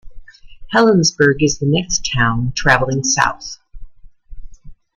Helensburgh is the next town, travelling south.